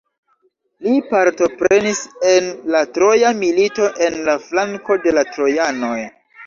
Li partoprenis en la Troja Milito en la flanko de la trojanoj.